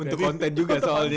untuk konten juga soalnya